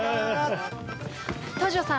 東條さん。